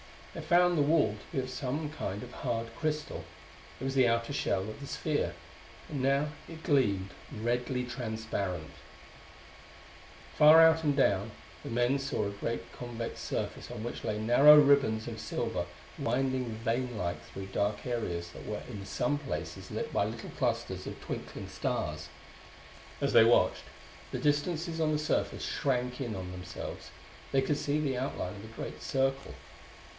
They found the wall to be of some kind of hard crystal; it was the outer shell of the sphere; and it now gleamed redly transparent. Far out and down the men saw a great convex surface on which lay narrow ribbons of silver, winding veinlike through dark areas that were in some places lit by little clusters of twinkling lights. As they watched, the distances on the surface shrank in on themselves; they could see the outline of a great circle.